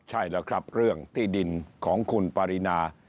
ใช่แล้วครับเรื่องที่ดินของคุณปรินา